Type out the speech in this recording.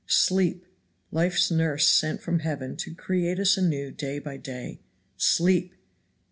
Sleep! life's nurse sent from heaven to create us anew day by day! sleep!